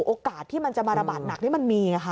โอกาสที่มันจะมาระบาดหนักนี่มันมีไงค่ะ